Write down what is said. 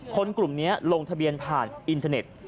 กลุ่มนี้ลงทะเบียนผ่านอินเทอร์เน็ต